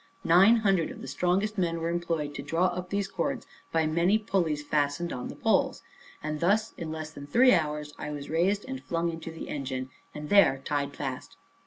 Nine hundred of the strongest men were employed to draw up these cords by many pulleys fastened on the poles, and thus, in less than three hours, I was raised, and flung into the engine, and there tied fast.